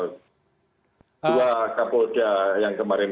dua kapolja yang kemarin